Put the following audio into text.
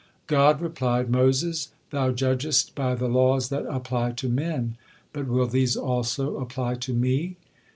God replied: "Moses, thou judgest by the laws that apply to men, but will these also apply to Me?